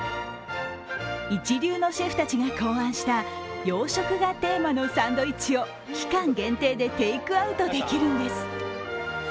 一流のシェフたちが考案した洋食がテーマのサンドイッチを期間限定でテイクアウトできるんです。